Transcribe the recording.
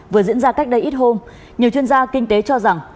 vừa diễn ra cách đây ít hôm nhiều chuyên gia kinh tế cho rằng